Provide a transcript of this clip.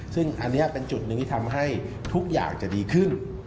ซึ่งอันนี้เป็นจุดหนึ่งที่ทำให้ทุกอย่างจะดีขึ้น